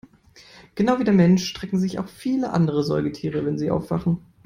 Genau wie der Mensch strecken sich auch viele andere Säugetiere, wenn sie aufwachen.